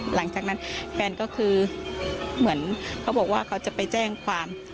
หลังจากนั้นแฟนก็คือเหมือนเขาบอกว่าเขาจะไปแจ้งความ